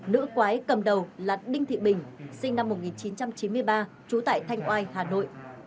nữ quái cầm đầu là đinh thị bình sinh năm một nghìn chín trăm chín mươi ba trú tại thanh oai hà nội